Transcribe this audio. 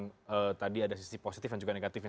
yang tadi ada sisi positif dan juga negatifnya